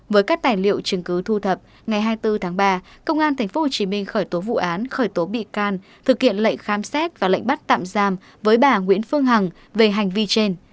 với các tài liệu chứng cứ thu thập ngày hai mươi bốn tháng ba công an tp hcm khởi tố vụ án khởi tố bị can thực hiện lệnh khám xét và lệnh bắt tạm giam với bà nguyễn phương hằng về hành vi trên